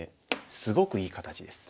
すごくいい形です。